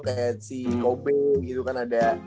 kayak si kopi gitu kan ada